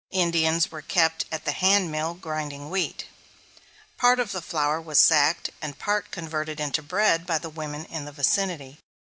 Indians were kept at the handmill grinding wheat. Part of the flour was sacked, and part converted into bread by the women in the vicinity.